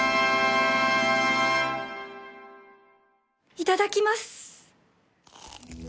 いただきます！